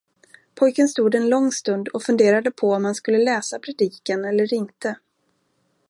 Pojken stod en lång stund och funderade om han skulle läsa predikan eller inte.